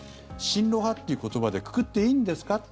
親ロ派という言葉でくくっていいんですか？